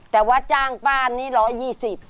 แต่ว่าจ้างบ้าเป็นนี้๑๒๐